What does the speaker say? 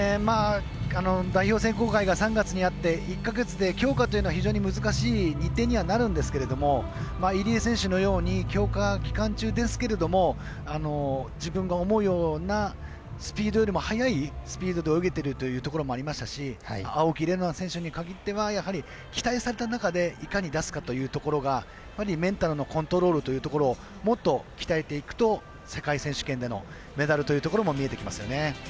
代表選考会が３月にあって、１か月で強化というのは非常に難しい日程にはなるんですけど入江選手のように強化期間中ですけれども自分が思うようなスピードよりも速いスピードで泳げているというところもありましたし青木玲緒樹選手にかぎってはやはり期待された中でいかに出すかっていうところがメンタルのコントロールというところをもっと鍛えていくと世界選手権でのメダルというところも見えてきますよね。